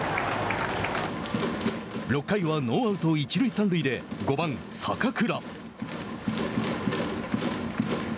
６回はノーアウト、一塁三塁で５番坂倉。